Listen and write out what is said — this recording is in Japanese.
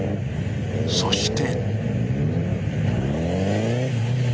そして。